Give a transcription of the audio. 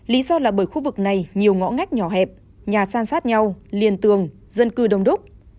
lý do là bởi khu vực này nhiều ngõ ngách nhỏ hẹp nhà san sát nhau liền tường dân cư đông đúc